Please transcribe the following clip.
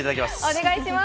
お願いします。